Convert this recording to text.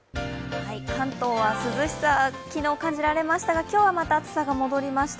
関東は涼しさ、昨日感じられましたが、今日はまた暑さが戻りました。